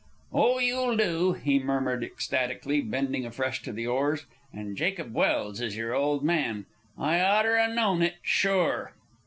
"Oh, you'll do!" he murmured ecstatically, bending afresh to the oars. "And Jacob Welse is your old man? I oughter 'a known it, sure!"